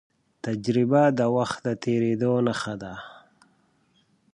تجربه د وخت د تېرېدو نښه ده.